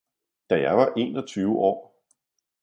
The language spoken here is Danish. da var jeg enogtyve år!